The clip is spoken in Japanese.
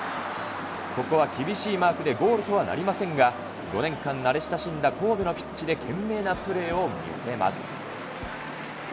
ここは厳しいマークでゴールとはなりませんが、５年間慣れ親しんだ神戸のピッチで懸命なプレーを見せます。